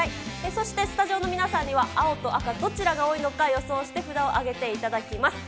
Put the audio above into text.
そしてスタジオの皆さんには、青と赤、どちらが多いのか予想して、札を上げていただきます。